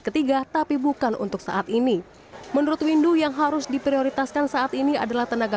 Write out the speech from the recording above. ketiga tapi bukan untuk saat ini menurut windu yang harus diprioritaskan saat ini adalah tenaga